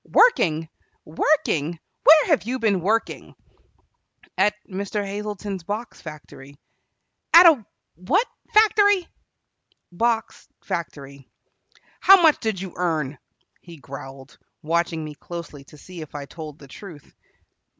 "Working! Working! Where have you been working?" "At Mr. Hazleton's box factory." "At a what factory?" "Box factory." "How much did you earn?" he growled, watching me closely to see if I told the truth.